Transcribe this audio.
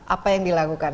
apa yang dilakukan